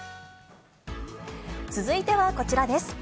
続いてはこちらです。